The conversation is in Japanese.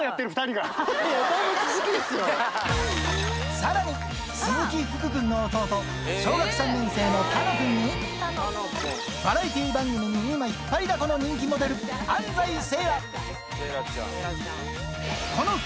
さらに、鈴木福君の弟、小学３年生の楽君に、バラエティー番組に今、引っ張りだこの人気モデル、安斉星来。